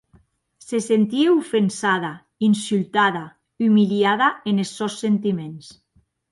Se sentie ofensada, insultada, umiliada enes sòns sentiments.